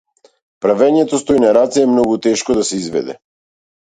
Правењето стој на раце е многу тешко да се изведе.